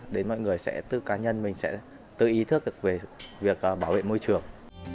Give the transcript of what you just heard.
đến mọi người sẽ tự cá nhân mình sẽ tự ý thức được về việc bảo vệ môi trường